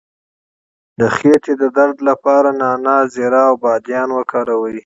د خیټې د درد لپاره نعناع، زیره او بادیان وکاروئ